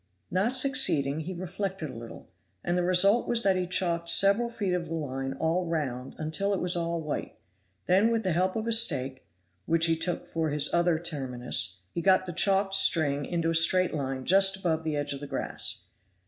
Not succeeding, he reflected a little, and the result was that he chalked several feet of the line all round until it was all white; then with the help of a stake, which he took for his other terminus, he got the chalked string into a straight line just above the edge of the grass.